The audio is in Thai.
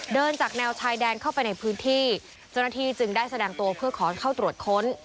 เดินจากแนวชายแดนเข้าไปในพื้นที่เจ้าหน้าที่จึงได้แสดงตัวเพื่อขอเข้าตรวจค้น